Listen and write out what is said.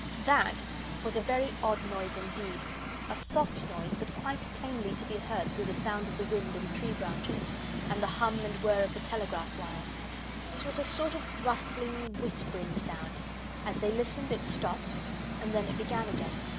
"That" was a very odd noise indeed a soft noise, but quite plainly to be heard through the sound of the wind in tree branches, and the hum and whir of the telegraph wires. It was a sort of rustling, whispering sound. As they listened it stopped, and then it began again.